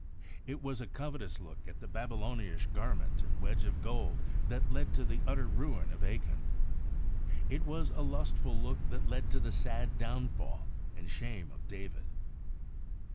It was a covetous look at the Babylonish garment and wedge of gold that led to the utter ruin of Achan. It was a lustful look that led to the sad downfall and shame of David.